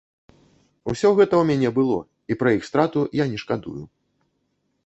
Усё гэта ў мяне было і пра іх страту я не шкадую.